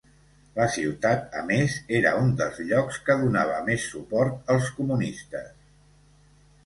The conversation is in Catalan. La ciutat, a més, era un dels llocs que donava més suport als comunistes.